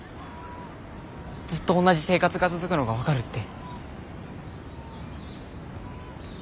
「ずっと同じ生活が続くのが分かる」って。